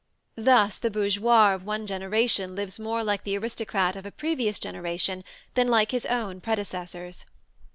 Thus the bourgeois of one generation lives more like the aristocrat of a previous generation than like his own predecessors.